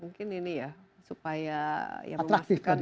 mungkin ini ya supaya ya memastikan